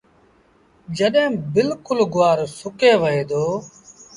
جڏهيݩ بلڪُل گُوآر سُڪي وهي دو۔